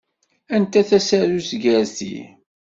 Anta tasarut gar ti?